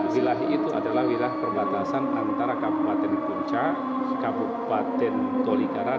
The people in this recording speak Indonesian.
wilayah itu adalah wilayah perbatasan antara kabupaten puncak kabupaten tolikara